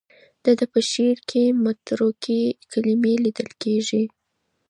د ده په شعر کې متروکې کلمې لیدل کېږي.